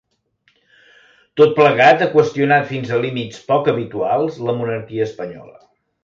Tot plegat ha qüestionat fins a límits poc habituals la monarquia espanyola.